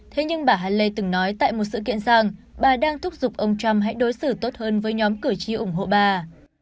thế nhưng bà hale từng nói tại một sự kiện rằng bà đang thúc giục ông trump hãy đối xử tốt hơn với nhóm cử tri ủng hộ bà